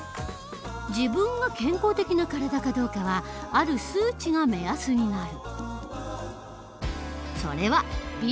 自分が健康的な体かどうかはある数値が目安になる。